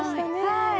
はい。